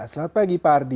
selamat pagi pak ardi